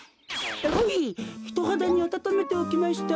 ほいひとはだにあたためておきました。